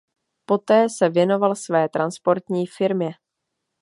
Poté se věnoval své transportní firmě.